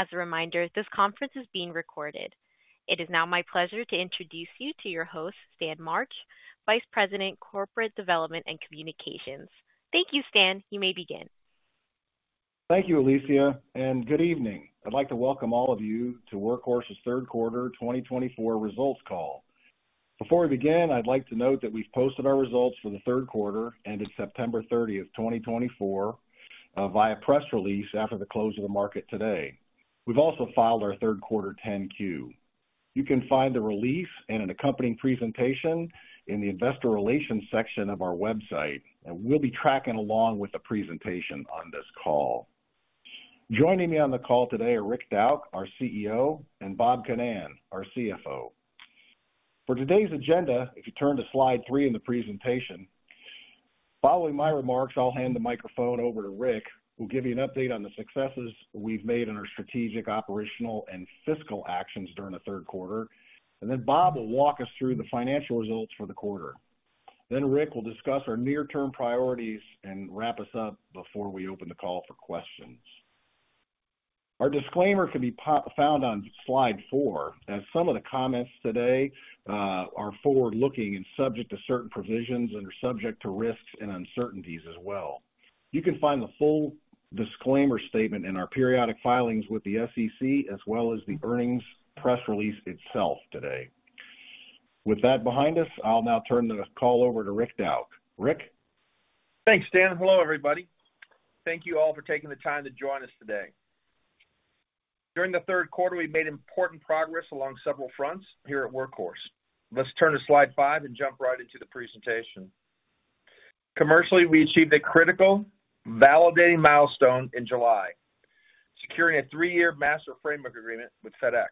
As a reminder, this conference is being recorded. It is now my pleasure to introduce you to your host, Stan March, Vice President, Corporate Development and Communications. Thank you, Stan. You may begin. Thank you, Alicia, and good evening. I'd like to welcome all of you to Workhorse's Q3 twenty twenty four results call. Before we begin, I'd like to note that we've posted our results for the Q3, ended 30th of September, twenty twenty-four via press release after the close of the market today. We've also filed our Q3 10-Q. You can find the release and an accompanying presentation in the Investor Relations section of our website, and we'll be tracking along with the presentation on this call. Joining me on the call today are Rick Dauch, our CEO, and Bob Ginnan, our CFO. For today's agenda, if you turn to slide three in the presentation, following my remarks, I'll hand the microphone over to Rick, who will give you an update on the successes we've made in our strategic, operational, and fiscal actions during the Q3. And then Bob will walk us through the financial results for the quarter. Then Rick will discuss our near-term priorities and wrap us up before we open the call for questions. Our disclaimer can be found on slide four, as some of the comments today are forward-looking and subject to certain provisions and are subject to risks and uncertainties as well. You can find the full disclaimer statement in our periodic filings with the SEC, as well as the earnings press release itself today. With that behind us, I'll now turn the call over to Rick Dauch. Rick? Thanks, Stan. Hello, everybody. Thank you all for taking the time to join us today. During the Q3, we've made important progress along several fronts here at Workhorse. Let's turn to slide five and jump right into the presentation. Commercially, we achieved a critical validating milestone in July, securing a three-year master framework agreement with FedEx.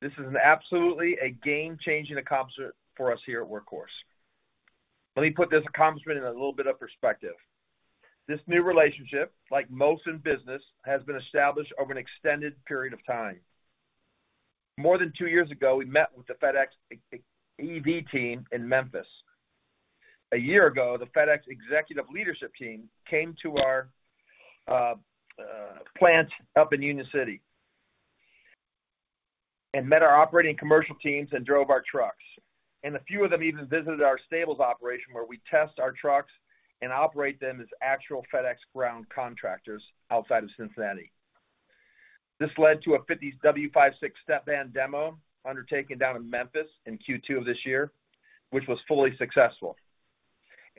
This is absolutely a game-changing accomplishment for us here at Workhorse. Let me put this accomplishment in a little bit of perspective. This new relationship, like most in business, has been established over an extended period of time. More than two years ago, we met with the FedEx EV team in Memphis. A year ago, the FedEx executive leadership team came to our plant up in Union City and met our operating commercial teams and drove our trucks. A few of them even visited our Stables operation, where we test our trucks and operate them as actual FedEx Ground contractors outside of Cincinnati. This led to a W56 step van demo undertaken down in Memphis in Q2 of this year, which was fully successful.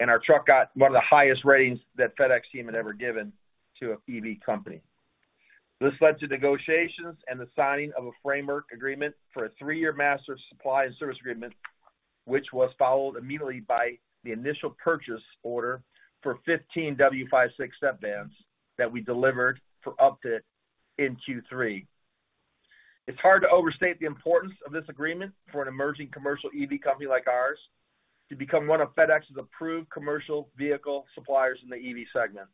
Our truck got one of the highest ratings that FedEx team had ever given to an EV company. This led to negotiations and the signing of a framework agreement for a three-year master supply and service agreement, which was followed immediately by the initial purchase order for 15 W56 step vans that we delivered for upfit in Q3. It's hard to overstate the importance of this agreement for an emerging commercial EV company like ours to become one of FedEx's approved commercial vehicle suppliers in the EV segment.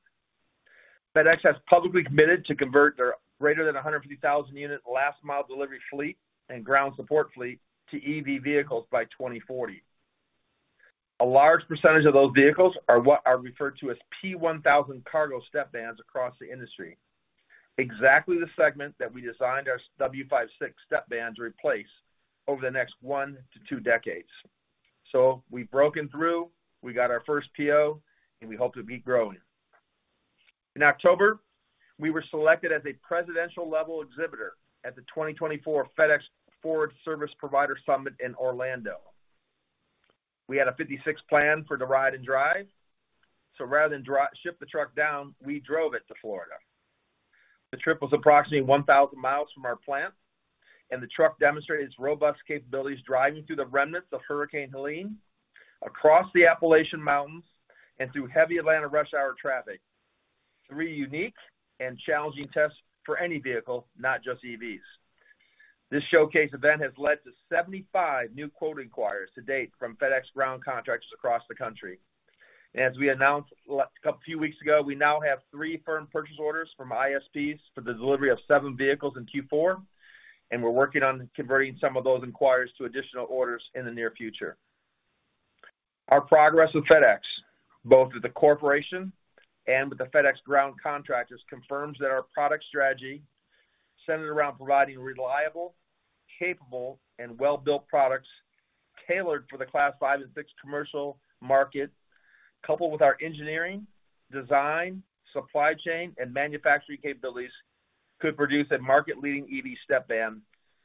FedEx has publicly committed to convert their greater than 150,000-unit last-mile delivery fleet and ground support fleet to EV vehicles by 2040. A large percentage of those vehicles are what are referred to as P1000 cargo step vans across the industry, exactly the segment that we designed our W56 step vans to replace over the next one to two decades. So we've broken through. We got our first PO, and we hope to be growing. In October, we were selected as a Presidential Level exhibitor at the twenty twenty-four FedEx Forward Service Provider Summit in Orlando. We had a W56 van for the ride and drive. So rather than ship the truck down, we drove it to Florida. The trip was approximately 1,000 miles from our plant, and the truck demonstrated its robust capabilities driving through the remnants of Hurricane Helene across the Appalachian Mountains and through heavy Atlanta rush hour traffic. Three unique and challenging tests for any vehicle, not just EVs. This showcase event has led to 75 new quote inquiries to date from FedEx Ground contractors across the country. As we announced a few weeks ago, we now have three firm purchase orders from ISPs for the delivery of seven vehicles in Q4, and we're working on converting some of those inquiries to additional orders in the near future. Our progress with FedEx, both at the corporation and with the FedEx Ground contractors, confirms that our product strategy centered around providing reliable, capable, and well-built products tailored for the Class 5 and 6 commercial market, coupled with our engineering, design, supply chain, and manufacturing capabilities, could produce a market-leading EV step van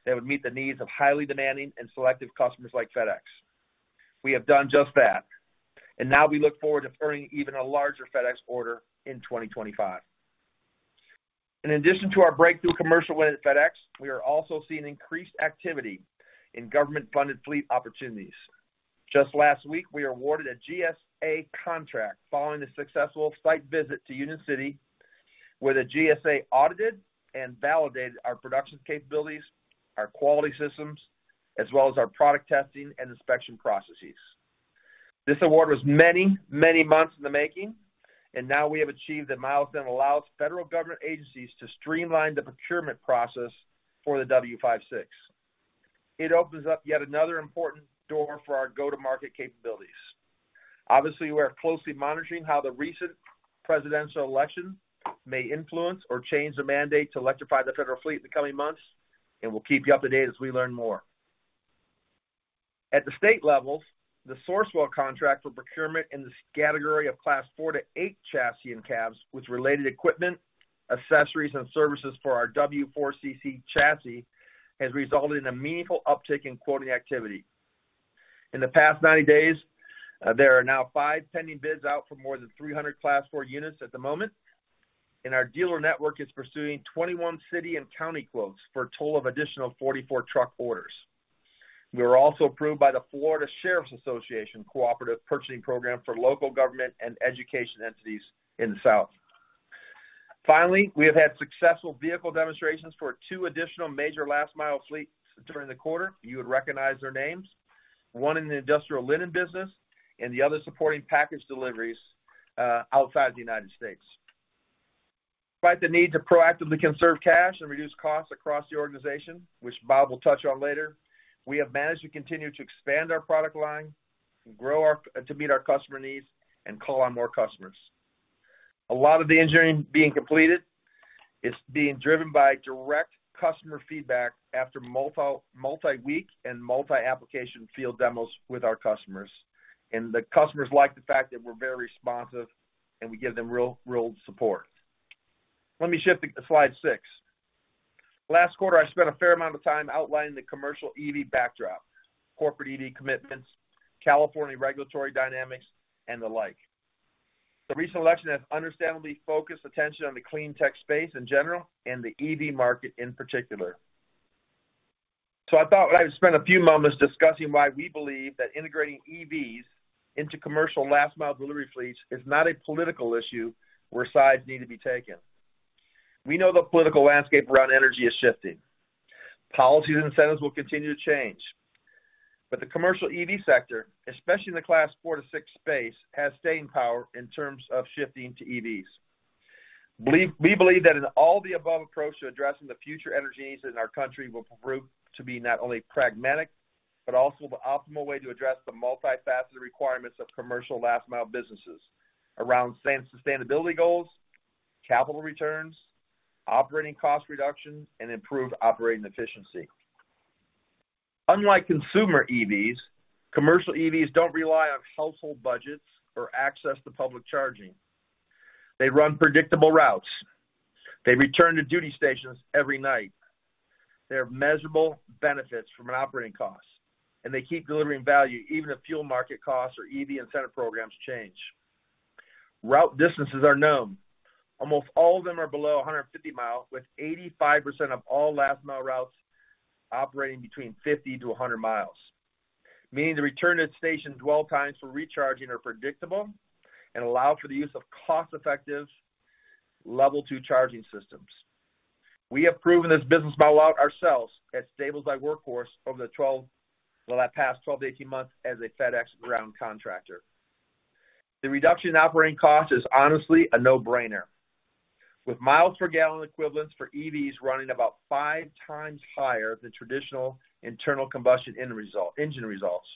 that would meet the needs of highly demanding and selective customers like FedEx. We have done just that, and now we look forward to earning even a larger FedEx order in twenty twenty-five. In addition to our breakthrough commercial win at FedEx, we are also seeing increased activity in government-funded fleet opportunities. Just last week, we were awarded a GSA contract following a successful site visit to Union City, where the GSA audited and validated our production capabilities, our quality systems, as well as our product testing and inspection processes. This award was many, many months in the making, and now we have achieved a milestone that allows federal government agencies to streamline the procurement process for the W56. It opens up yet another important door for our go-to-market capabilities. Obviously, we are closely monitoring how the recent Presidential election may influence or change the mandate to electrify the federal fleet in the coming months, and we'll keep you up to date as we learn more. At the state level, the Sourcewell contract for procurement in the category of Class 4 to 8 chassis and cabs with related equipment, accessories, and services for our W4CC chassis has resulted in a meaningful uptick in quoting activity. In the past 90 days, there are now five pending bids out for more than 300 Class 4 units at the moment, and our dealer network is pursuing 21 city and county quotes for a total of additional 44 truck orders. We were also approved by the Florida Sheriffs Association Cooperative Purchasing Program for local government and education entities in the South. Finally, we have had successful vehicle demonstrations for two additional major last-mile fleets during the quarter. You would recognize their names. One in the industrial linen business and the other supporting package deliveries outside the United States. Despite the need to proactively conserve cash and reduce costs across the organization, which Bob will touch on later, we have managed to continue to expand our product line and grow to meet our customer needs and call on more customers. A lot of the engineering being completed is being driven by direct customer feedback after multi-week and multi-application field demos with our customers. And the customers like the fact that we're very responsive and we give them real support. Let me shift to slide six. Last quarter, I spent a fair amount of time outlining the commercial EV backdrop, corporate EV commitments, California regulatory dynamics, and the like. The recent election has understandably focused attention on the clean tech space in general and the EV market in particular. So I thought I would spend a few moments discussing why we believe that integrating EVs into commercial last-mile delivery fleets is not a political issue where sides need to be taken. We know the political landscape around energy is shifting. Policies and incentives will continue to change. But the commercial EV sector, especially in the Class 4 to 6 space, has staying power in terms of shifting to EVs. We believe that in all the above approach to addressing the future energy needs in our country will prove to be not only pragmatic, but also the optimal way to address the multifaceted requirements of commercial last-mile businesses around sustainability goals, capital returns, operating cost reduction, and improved operating efficiency. Unlike consumer EVs, commercial EVs don't rely on household budgets or access to public charging. They run predictable routes. They return to duty stations every night. There are measurable benefits from an operating cost, and they keep delivering value even if fuel market costs or EV incentive programs change. Route distances are known. Almost all of them are below 150 miles, with 85% of all last-mile routes operating between 50-100 miles, meaning the return to station dwell times for recharging are predictable and allow for the use of cost-effective Level 2 charging systems. We have proven this business model out ourselves at stables like Workhorse over the past 12-18 months as a FedEx Ground contractor. The reduction in operating cost is honestly a no-brainer. With miles per gallon equivalents for EVs running about five times higher than traditional internal combustion engine results.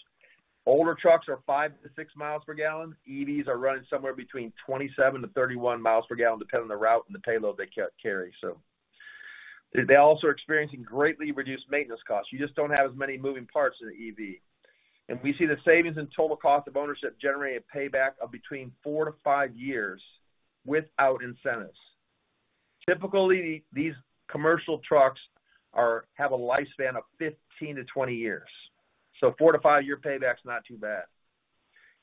Older trucks are five to six miles per gallon. EVs are running somewhere between 27 to 31 miles per gallon, depending on the route and the payload they carry. So they also are experiencing greatly reduced maintenance costs. You just don't have as many moving parts in an EV. And we see the savings in total cost of ownership generating a payback of between four to five years without incentives. Typically, these commercial trucks have a lifespan of 15 to 20 years. So four to five-year payback is not too bad.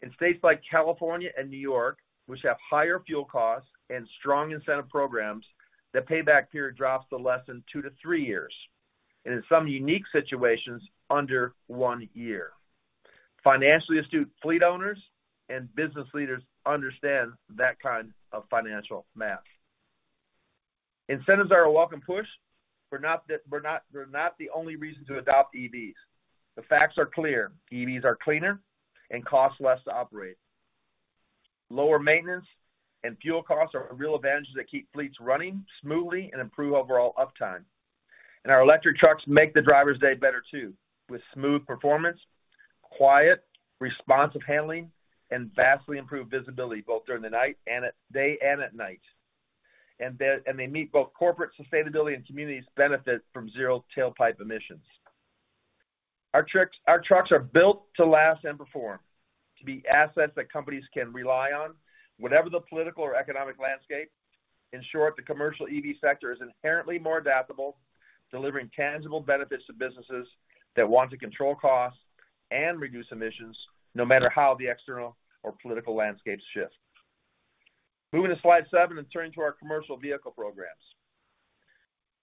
In states like California and New York, which have higher fuel costs and strong incentive programs, the payback period drops to less than two to three years, and in some unique situations, under one year. Financially astute fleet owners and business leaders understand that kind of financial math. Incentives are a welcome push. They're not the only reason to adopt EVs. The facts are clear. EVs are cleaner and cost less to operate. Lower maintenance and fuel costs are real advantages that keep fleets running smoothly and improve overall uptime. And our electric trucks make the driver's day better too, with smooth performance, quiet, responsive handling, and vastly improved visibility both during the day and at night. And they meet both corporate sustainability and communities benefit from zero tailpipe emissions. Our trucks are built to last and perform, to be assets that companies can rely on, whatever the political or economic landscape. In short, the commercial EV sector is inherently more adaptable, delivering tangible benefits to businesses that want to control costs and reduce emissions no matter how the external or political landscape shifts. Moving to slide seven and turning to our commercial vehicle programs.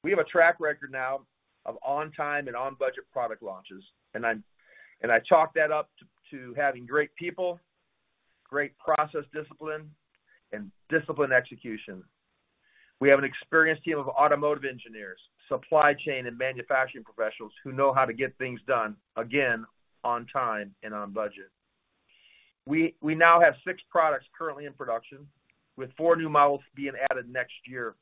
We have a track record now of on-time and on-budget product launches, and I chalk that up to having great people, great process discipline, and disciplined execution. We have an experienced team of automotive engineers, supply chain, and manufacturing professionals who know how to get things done, again, on time and on budget. We now have six products currently in production, with four new models being added next year,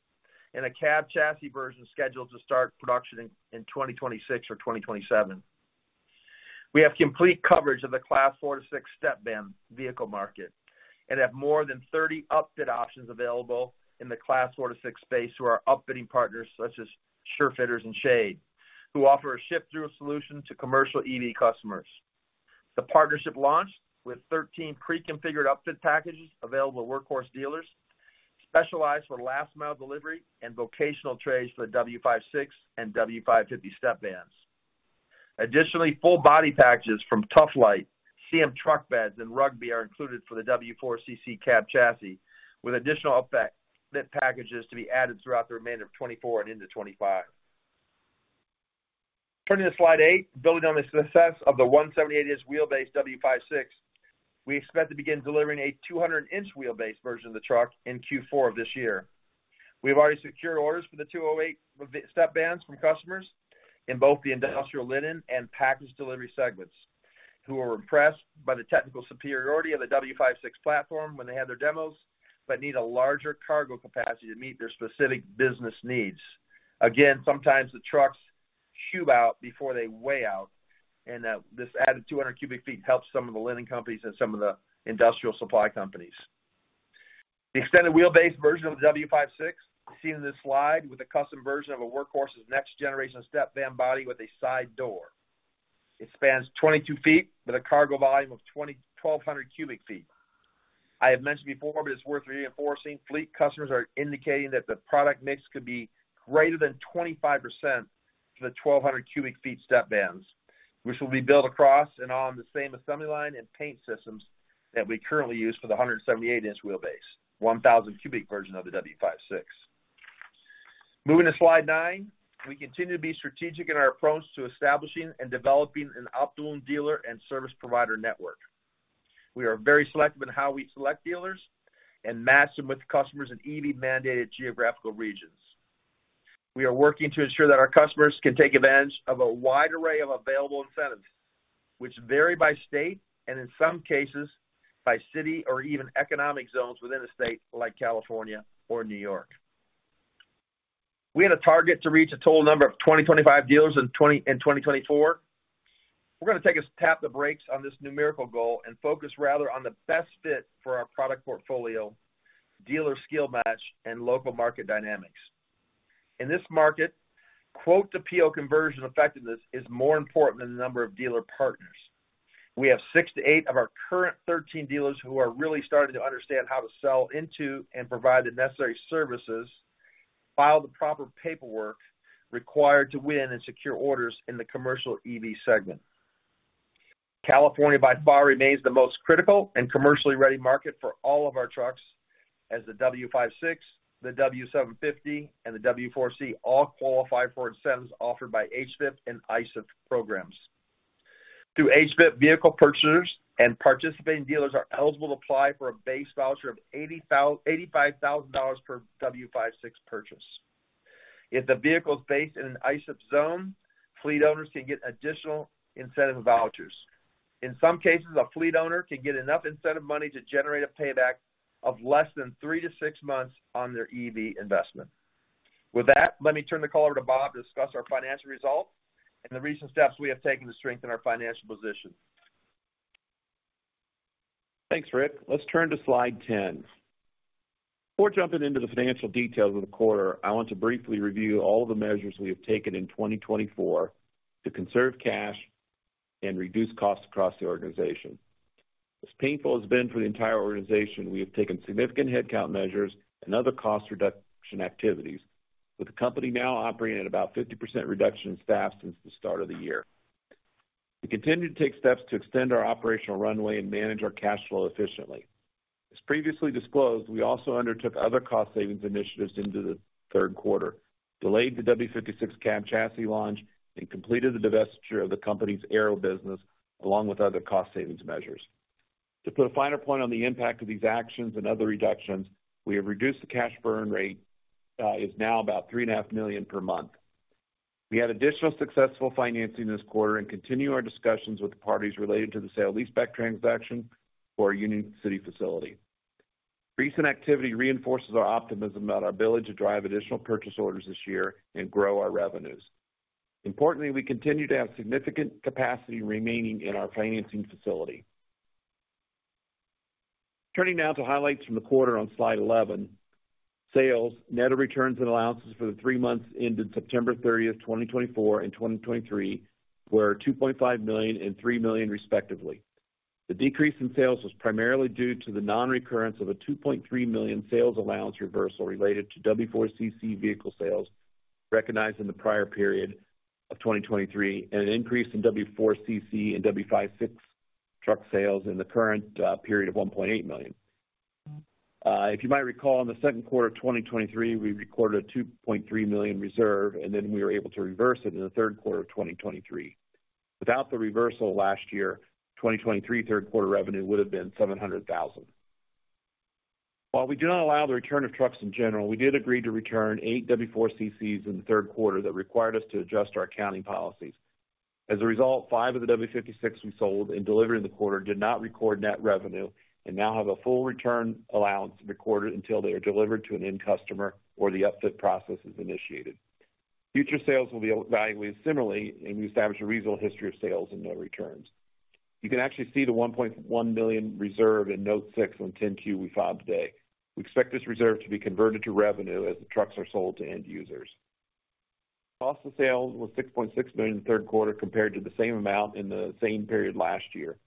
and a cab chassis version scheduled to start production in twenty twenty-six or twenty twenty-seven. We have complete coverage of the Class 4 to 6 step van vehicle market and have more than 30 upfit options available in the Class 4 to 6 space through our upfitting partners, such as SureFitters and Shade, who offer a turnkey solution to commercial EV customers. The partnership launched with 13 pre-configured upfit packages available at Workhorse dealers, specialized for last-mile delivery and vocational trays for the W56 and W550 step vans. Additionally, full-body packages from Toughlight, CM Truck Beds, and Rugby are included for the W4CC cab chassis, with additional upfit packages to be added throughout the remainder of twenty twenty-four and into twenty twenty-five. Turning to slide eight, building on the success of the 178-inch wheelbase W56, we expect to begin delivering a 200-inch wheelbase version of the truck in Q4 of this year. We have already secured orders for the 208 step vans from customers in both the industrial linen and package delivery segments, who were impressed by the technical superiority of the W56 platform when they had their demos, but need a larger cargo capacity to meet their specific business needs. Again, sometimes the trucks cube out before they weigh out, and this added 200 cubic feet helps some of the linen companies and some of the industrial supply companies. The extended wheelbase version of the W56 is seen in this slide with a custom version of a Workhorse's next-generation step van body with a side door. It spans 22 feet with a cargo volume of 1,200 cubic feet. I have mentioned before, but it's worth reinforcing, fleet customers are indicating that the product mix could be greater than 25% for the 1,200 cubic feet step vans, which will be built across and on the same assembly line and paint systems that we currently use for the 178-inch wheelbase, 1,000 cubic version of the W56. Moving to slide nine, we continue to be strategic in our approach to establishing and developing an optimum dealer and service provider network. We are very selective in how we select dealers and match them with customers in EV-mandated geographical regions. We are working to ensure that our customers can take advantage of a wide array of available incentives, which vary by state and, in some cases, by city or even economic zones within a state like California or New York. We had a target to reach a total number of twenty twenty-five dealers in twenty twenty-four. We're going to tap the brakes on this numerical goal and focus rather on the best fit for our product portfolio, dealer skill match, and local market dynamics. In this market, quote-to-PO conversion effectiveness is more important than the number of dealer partners. We have six to eight of our current 13 dealers who are really starting to understand how to sell into and provide the necessary services, file the proper paperwork required to win and secure orders in the commercial EV segment. California, by far, remains the most critical and commercially ready market for all of our trucks, as the W56, the W750, and the W4CC all qualify for incentives offered by HVIP and ISEF programs. Through HVIP, vehicle purchasers and participating dealers are eligible to apply for a base voucher of $85,000 per W56 purchase. If the vehicle is based in an ISEF zone, fleet owners can get additional incentive vouchers. In some cases, a fleet owner can get enough incentive money to generate a payback of less than three to six months on their EV investment. With that, let me turn the call over to Bob to discuss our financial result and the recent steps we have taken to strengthen our financial position. Thanks, Rick. Let's turn to slide 10. Before jumping into the financial details of the quarter, I want to briefly review all of the measures we have taken in twenty twenty-four to conserve cash and reduce costs across the organization. As painful as it's been for the entire organization, we have taken significant headcount measures and other cost reduction activities, with the company now operating at about 50% reduction in staff since the start of the year. We continue to take steps to extend our operational runway and manage our cash flow efficiently. As previously disclosed, we also undertook other cost savings initiatives into the Q3, delayed the W56 cab chassis launch, and completed the divestiture of the company's aero business along with other cost savings measures. To put a finer point on the impact of these actions and other reductions, we have reduced the cash burn rate, which is now about $3.5 million per month. We had additional successful financing this quarter and continue our discussions with the parties related to the sale-leaseback transaction for our Union City facility. Recent activity reinforces our optimism about our ability to drive additional purchase orders this year and grow our revenues. Importantly, we continue to have significant capacity remaining in our financing facility. Turning now to highlights from the quarter on slide 11, sales, net of returns and allowances for the three months ended 30th of September, twenty twenty-four and twenty twenty-three, were $2.5 and 3 million, respectively. The decrease in sales was primarily due to the non-recurrence of a $2.3 million sales allowance reversal related to W4CC vehicle sales recognized in the prior period of twenty twenty-three and an increase in W4CC and W56 truck sales in the current period of $1.8 million. If you might recall, in the Q2 of twenty twenty-three, we recorded a $2.3 million reserve, and then we were able to reverse it in the Q3 of twenty twenty-three. Without the reversal last year, twenty twenty-three Q3 revenue would have been $700,000. While we do not allow the return of trucks in general, we did agree to return eight W4CCs in the Q3 that required us to adjust our accounting policies. As a result, five of the W56 we sold and delivered in the quarter did not record net revenue and now have a full return allowance recorded until they are delivered to an end customer or the upfit process is initiated. Future sales will be evaluated similarly, and we established a reasonable history of sales and no returns. You can actually see the $1.1 million reserve in note 6 on 10-Q we filed today. We expect this reserve to be converted to revenue as the trucks are sold to end users. Cost of sales was $6.6 million in the Q3 compared to the same amount in the same period last year.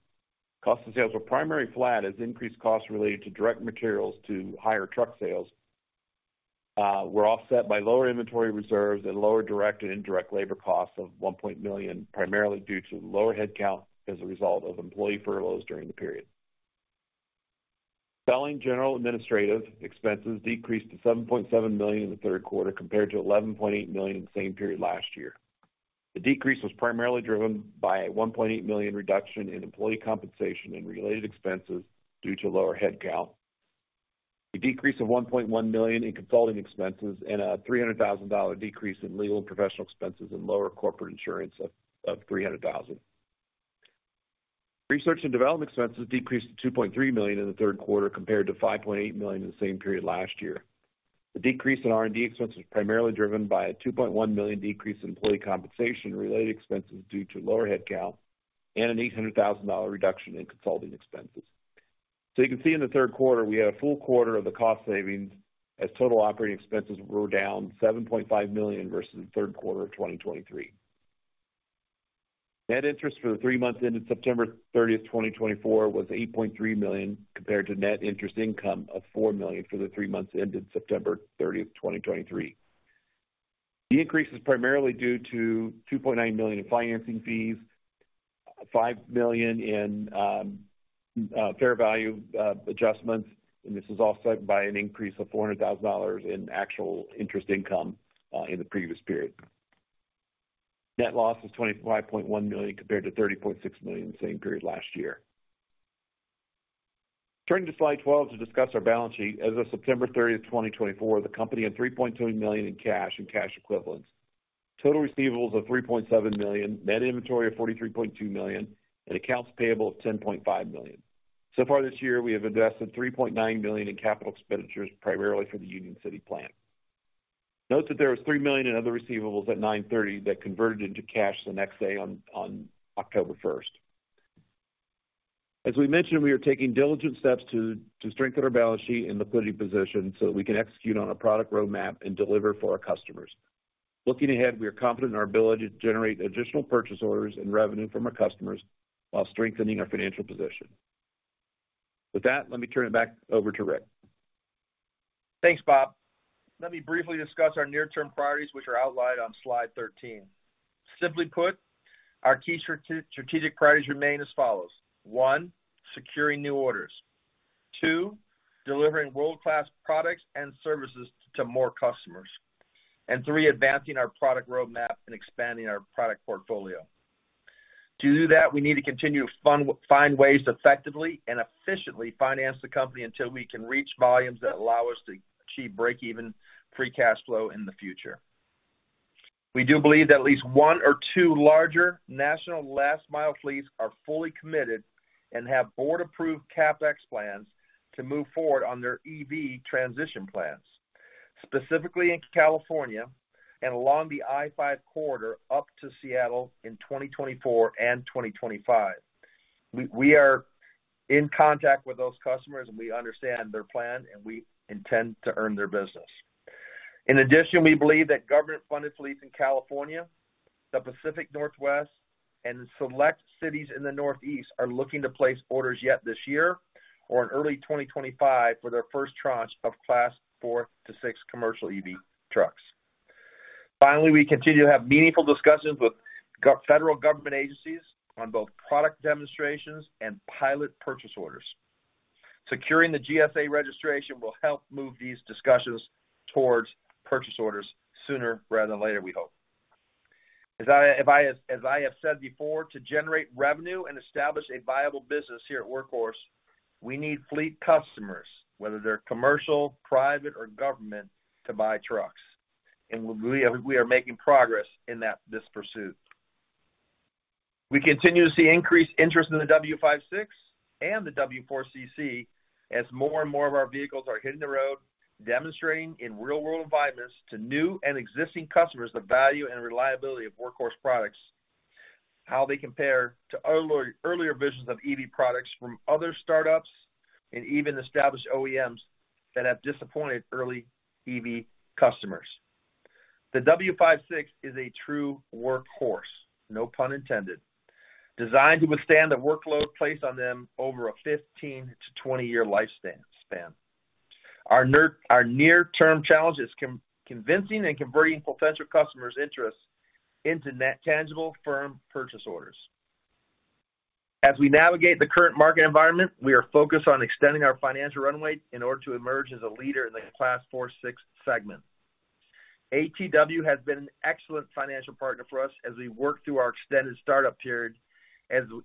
Cost of sales were primarily flat as increased costs related to direct materials to higher truck sales were offset by lower inventory reserves and lower direct and indirect labor costs of $1.1 million, primarily due to lower headcount as a result of employee furloughs during the period. Selling, general and administrative expenses decreased to $7.7 million in the Q3 compared to $11.8 million in the same period last year. The decrease was primarily driven by a $1.8 million reduction in employee compensation and related expenses due to lower headcount. A decrease of $1.1 million in consulting expenses and a $300,000 decrease in legal and professional expenses and lower corporate insurance of $300,000. Research and development expenses decreased to $2.3 million in the Q3 compared to $5.8 million in the same period last year. The decrease in R&D expenses was primarily driven by a $2.1 million decrease in employee compensation and related expenses due to lower headcount and an $800,000 reduction in consulting expenses. So you can see in the Q3, we had a full quarter of the cost savings as total operating expenses were down $7.5 million versus the Q3 of twenty twenty-three. Net interest for the three months ended 30th of September, twenty twenty-four, was $8.3 million compared to net interest income of $4 million for the three months ended 30th of September, twenty twenty-three. The increase is primarily due to $2.9 million in financing fees, $5 million in fair value adjustments, and this is offset by an increase of $400,000 in actual interest income in the previous period. Net loss is $25.1 million compared to $30.6 million in the same period last year. Turning to slide 12 to discuss our balance sheet, as of 30th of September, twenty twenty-four, the company had $3.2 million in cash and cash equivalents, total receivables of $3.7 million, net inventory of $43.2 million, and accounts payable of $10.5 million. So far this year, we have invested $3.9 million in capital expenditures, primarily for the Union City plant. Note that there was $3 million in other receivables at 9:30 that converted into cash the next day on 1st of October. As we mentioned, we are taking diligent steps to strengthen our balance sheet and liquidity position so that we can execute on a product roadmap and deliver for our customers. Looking ahead, we are confident in our ability to generate additional purchase orders and revenue from our customers while strengthening our financial position. With that, let me turn it back over to Rick. Thanks, Bob. Let me briefly discuss our near-term priorities, which are outlined on slide 13. Simply put, our key strategic priorities remain as follows. One, securing new orders, two, delivering world-class products and services to more customers, and three, advancing our product roadmap and expanding our product portfolio. To do that, we need to continue to find ways to effectively and efficiently finance the company until we can reach volumes that allow us to achieve break-even free cash flow in the future. We do believe that at least one or two larger national last-mile fleets are fully committed and have board-approved CapEx plans to move forward on their EV transition plans, specifically in California and along the I-5 Corridor up to Seattle in twenty twenty-four and twenty twenty-five. We are in contact with those customers, and we understand their plan, and we intend to earn their business. In addition, we believe that government-funded fleets in California, the Pacific Northwest, and select cities in the Northeast are looking to place orders yet this year or in early twenty twenty-five for their first tranche of Class 4 to 6 commercial EV trucks. Finally, we continue to have meaningful discussions with federal government agencies on both product demonstrations and pilot purchase orders. Securing the GSA registration will help move these discussions towards purchase orders sooner rather than later, we hope. As I have said before, to generate revenue and establish a viable business here at Workhorse, we need fleet customers, whether they're commercial, private, or government, to buy trucks, and we are making progress in this pursuit. We continue to see increased interest in the W56 and the W4CC as more and more of our vehicles are hitting the road, demonstrating in real-world environments to new and existing customers the value and reliability of Workhorse products, how they compare to earlier versions of EV products from other startups and even established OEMs that have disappointed early EV customers. The W56 is a true workhorse, no pun intended, designed to withstand the workload placed on them over a 15-20-year lifespan. Our near-term challenge is convincing and converting potential customers' interests into tangible, firm purchase orders. As we navigate the current market environment, we are focused on extending our financial runway in order to emerge as a leader in the Class 4-6 segment. ATW has been an excellent financial partner for us as we work through our extended startup period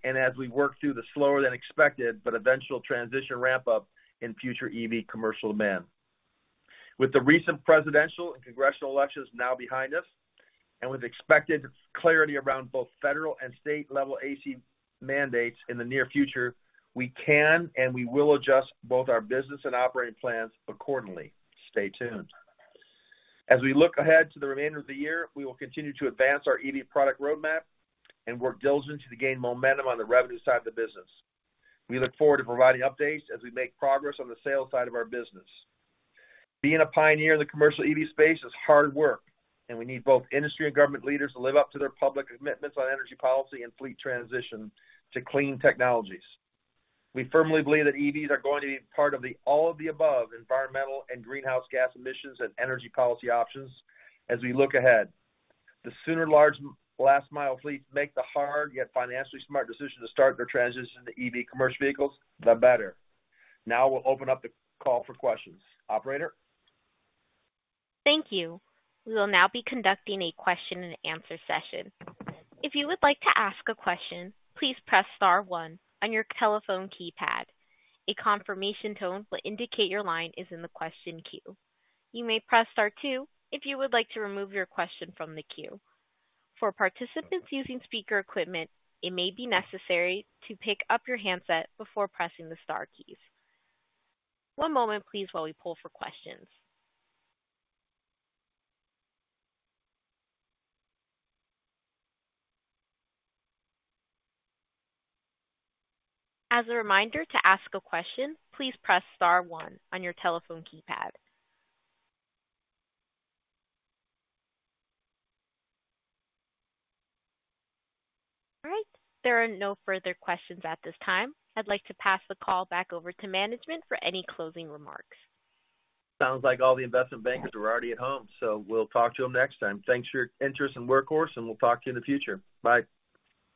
and as we work through the slower-than-expected but eventual transition ramp-up in future EV commercial demand. With the recent Presidential and congressional elections now behind us and with expected clarity around both federal and state-level EV mandates in the near future, we can and we will adjust both our business and operating plans accordingly. Stay tuned. As we look ahead to the remainder of the year, we will continue to advance our EV product roadmap and work diligently to gain momentum on the revenue side of the business. We look forward to providing updates as we make progress on the sales side of our business. Being a pioneer in the commercial EV space is hard work, and we need both industry and government leaders to live up to their public commitments on energy policy and fleet transition to clean technologies. We firmly believe that EVs are going to be part of all of the above environmental and greenhouse gas emissions and energy policy options as we look ahead. The sooner large last-mile fleets make the hard yet financially smart decision to start their transition to EV commercial vehicles, the better. Now we'll open up the call for questions. Operator? Thank you. We will now be conducting a question-and-answer session. If you would like to ask a question, please press Star 1 on your telephone keypad. A confirmation tone will indicate your line is in the question queue. You may press Star 2 if you would like to remove your question from the queue. For participants using speaker equipment, it may be necessary to pick up your handset before pressing the Star keys. One moment, please, while we pull for questions. As a reminder to ask a question, please press Star 1 on your telephone keypad. All right. There are no further questions at this time. I'd like to pass the call back over to management for any closing remarks. Sounds like all the investment bankers are already at home, so we'll talk to them next time. Thanks for your interest in Workhorse, and we'll talk to you in the future. Bye.